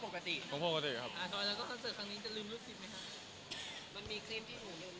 คิดตั้งใจ